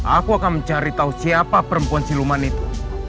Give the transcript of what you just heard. aku akan mencari tahu siapa perempuan siluman itu